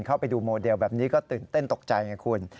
เข้าไปดูโมเดลแบบนี้ก็ตื่นเต้นตกใจไงคุณ